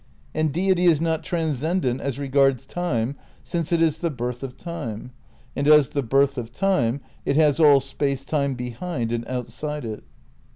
And Deity is not transcendent as regards Time since it is the birth of Time, and as the birth of Time it has all Space Time behind and outside it.